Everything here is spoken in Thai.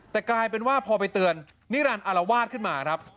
แต่กลายเป็นว่าพอไปเตือนนิรันดิอารวาสขึ้นมาครับ